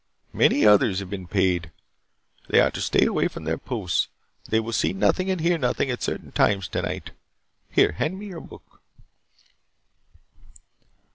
"Many others have been paid. They are to stay away from their posts. They will see nothing and hear nothing at certain times tonight. Here, hand me your book."